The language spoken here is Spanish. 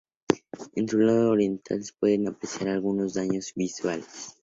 En su lado oriental se pueden apreciar algunos daños visibles.